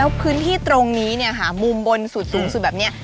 แล้วพื้นที่ตรงนี้มุมบนสูดแบบนี้